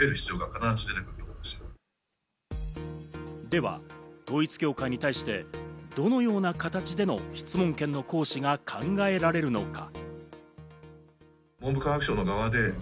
では、統一教会に対してどのような形での質問権の行使が考えられるのか。